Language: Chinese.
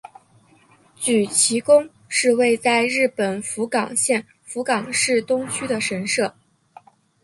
筥崎宫是位在日本福冈县福冈市东区的神社。